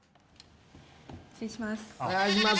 失礼します。